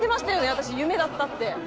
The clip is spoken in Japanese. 私夢だったって。